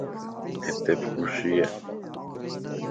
ھتي ڦوشيَ